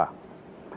dan saya berharap